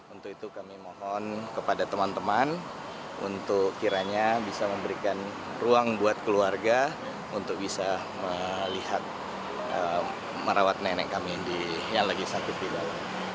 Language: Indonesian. untuk itu kami mohon kepada teman teman untuk kiranya bisa memberikan ruang buat keluarga untuk bisa melihat merawat nenek kami yang lagi sakit hilang